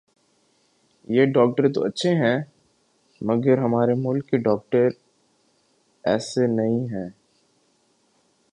یہ ڈاکٹرز تو اچھے ھیں مگر ھمارے ملک کے ڈاکٹر ایسے نہیں ھیں